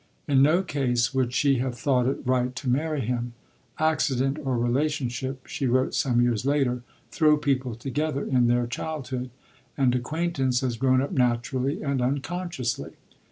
In no case would she have thought it right to marry him. "Accident or relationship," she wrote some years later, "throw people together in their childhood, and acquaintance has grown up naturally and unconsciously.